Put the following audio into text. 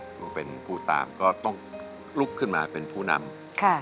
เปลี่ยนเพลงเพลงเก่งของคุณและข้ามผิดได้๑คำ